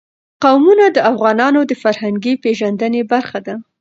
قومونه د افغانانو د فرهنګي پیژندنې برخه ده.